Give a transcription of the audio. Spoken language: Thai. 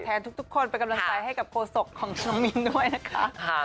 ทุกคนเป็นกำลังใจให้กับโฆษกของน้องมินด้วยนะคะ